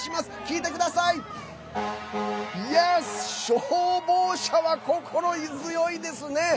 消防車は心強いですね。